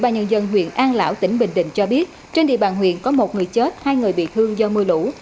ủy ban nhân dân huyện an lão tỉnh bình định cho biết trên địa bàn huyện có một người chết hai người bị thương do mưa lũ